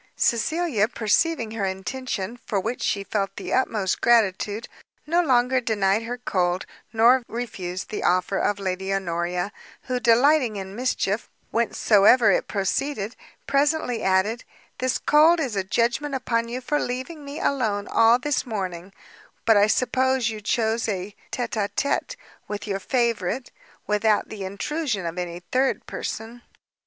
Cecilia, perceiving her intention, for which she felt the utmost gratitude, no longer denied her cold, nor refused the offer of Lady Honoria; who, delighting in mischief, whencesoever it proceeded, presently added, "This cold is a judgment upon you for leaving me alone all this morning; but I suppose you chose a tête à tête with your favourite, without the intrusion of any third person."